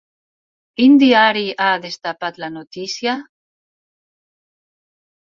Quin diari ha destapat la notícia?